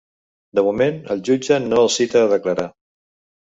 De moment, el jutge no els cita a declarar.